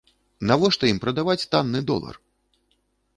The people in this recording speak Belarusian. Навошта ім прадаваць танны долар?